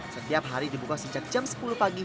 setiap hari dibuka sejak jam sepuluh pagi